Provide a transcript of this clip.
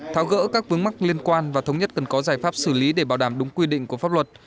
tháo gỡ các vướng mắc liên quan và thống nhất cần có giải pháp xử lý để bảo đảm đúng quy định của pháp luật